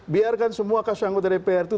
biar semua kasus anggota dpr itu